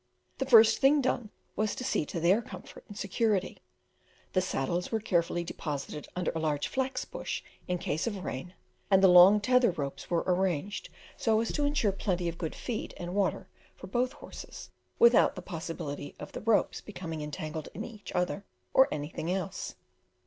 The first thing done was to see to their comfort and security; the saddles were carefully deposited under a large flax bush in case of rain, and the long tether ropes were arranged so as to ensure plenty of good feed and water for both horses, without the possibility of the ropes becoming entangled in each other or in anything else.